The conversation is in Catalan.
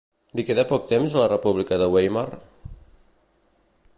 Li queda poc temps a la República de Weimar?